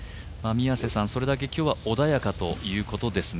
それだけ今日は穏やかということですね。